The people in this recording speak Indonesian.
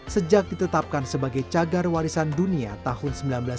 sejak ditetapkan sebagai cagar warisan dunia tahun seribu sembilan ratus sembilan puluh